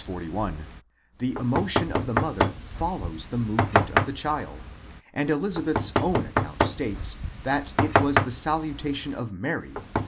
41), the emotion of the mother follows the movement of the child, and Elizabeth's own account states, that it was the salutation of Mary (v.